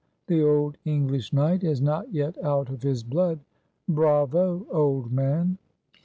the old English Knight is not yet out of his blood. Bravo, old man!"